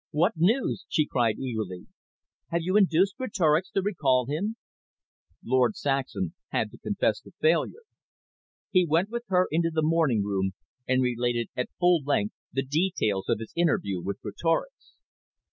"What news?" she cried eagerly. "Have you induced Greatorex to recall him?" Lord Saxham had to confess to failure. He went with her into the morning room, and related at full length the details of his interview with Greatorex.